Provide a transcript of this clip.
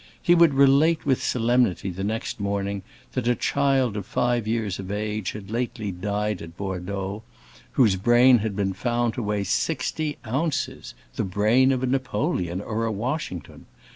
He would relate with solemnity the next morning that a child of five years of age had lately died at Bordeaux, whose brain had been found to weigh sixty ounces—the brain of a Napoleon or a Washington!